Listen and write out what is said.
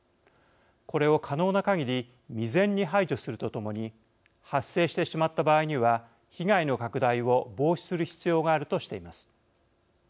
これを可能なかぎり未然に排除するとともに発生してしまった場合には被害の拡大を防止する必要があるとしています。